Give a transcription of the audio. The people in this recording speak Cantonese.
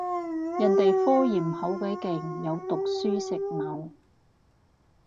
人哋科研好鬼勁，有讀書食腦